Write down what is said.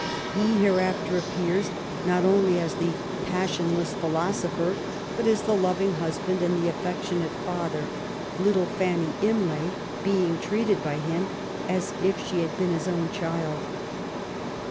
He hereafter ap pears not only as the passionless philosopher, but as the loving husband. and the aflfectionate father, little Fanny Imlay being treated by him as if she had been his own child.